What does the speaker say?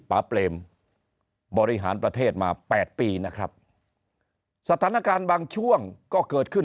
ป๊เปรมบริหารประเทศมาแปดปีนะครับสถานการณ์บางช่วงก็เกิดขึ้น